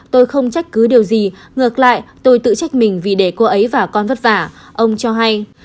tôi không trách cứ điều gì ngược lại tôi tự trách mình vì để cô ấy và con vất vả ông cho hay